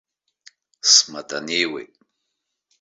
Сматанеиуеит.